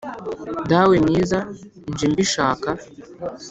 dawe mwiza nje mbishaka